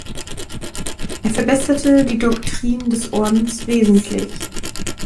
Er verbesserte die Doktrin des Ordens wesentlich.